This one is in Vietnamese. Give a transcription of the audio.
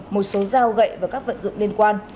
một số dao gậy và các vận dụng liên quan